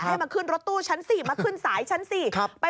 ให้มาขึ้นรถตู้ฉันสิมาขึ้นสายฉันสิ